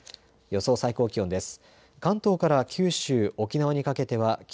予想最高気温です。